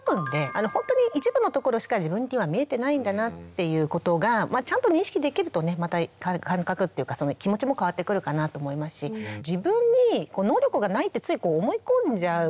本当に一部のところしか自分には見えてないんだなっていうことがちゃんと認識できるとねまた感覚っていうか気持ちも変わってくるかなと思いますし自分に能力がないってつい思い込んじゃうんですね。